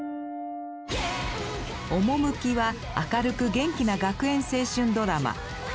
趣は明るく元気な学園青春ドラマ。